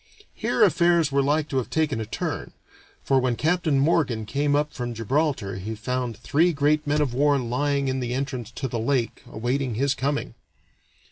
Here affairs were like to have taken a turn, for when Captain Morgan came up from Gibraltar he found three great men of war lying in the entrance to the lake awaiting his coming.